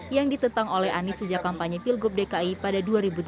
yang ditentang oleh anies sejak kampanye pilgub dki pada dua ribu tujuh belas